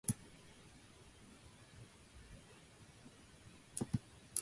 I liked that and I adopted it as a symbol.